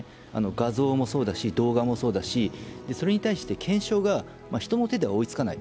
画像もそうだし、映像もそうだし、それに対して検証が、人の手では追いつかない。